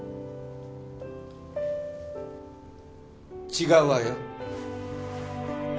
・違うわよ。